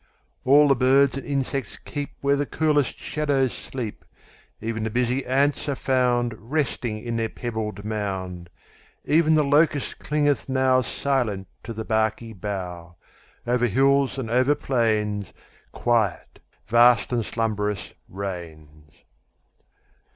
All the birds and insects keepWhere the coolest shadows sleep; Even the busy ants are foundResting in their pebbled mound; Even the locust clingeth nowSilent to the barky bough:Over hills and over plainsQuiet, vast and slumbrous, reigns.